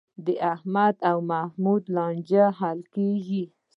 د احمد او محمود لانجه حل کېږي.